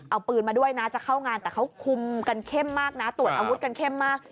เอาปืนมาด้วยนะจะเข้างานแต่เขาคุมกันเข้มมากนะตรวจอาวุธกันเข้มมาก